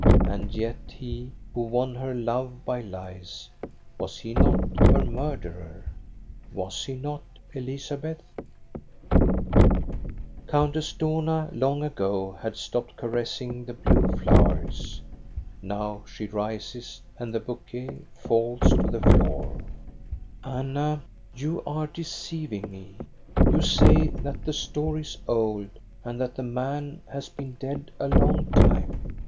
And yet he, who won her love by lies, was he not her miurderer? Was he not, Elizabeth 1 " Countess Dohna long ago had stopped caressing the blue flowers. Now she rises, and the bouquet falls to the floor. ''Anna, you are deceiving me. You say that the story is old, and that the man has been dead a long time.